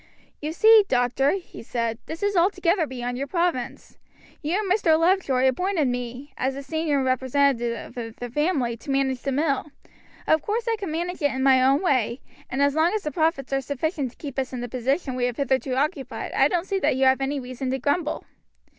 "You see, doctor," he said, "this is altogether beyond your province. You and Mr. Lovejoy appointed me, as the senior representative of the family, to manage the mill. Of course I can manage it in my own way, and as long as the profits are sufficient to keep us in the position we have hitherto occupied I don't see that you have any reason to grumble."